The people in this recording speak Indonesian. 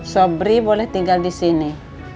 sobri boleh tinggal di sini